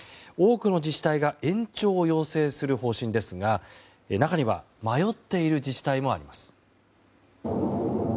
多くの自治体が延長を要請する方針ですが中には迷っている自治体もあります。